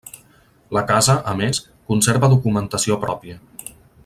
La casa, a més, conserva documentació pròpia.